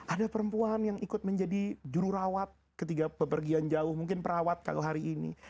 ada perempuan yang ikut menjadi jururawat ketika pepergian jauh mungkin perawat kalau hari ini